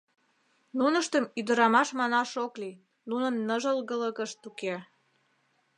Нуныштым ӱдырамаш манаш ок лий, нунын ныжылгылыкышт уке...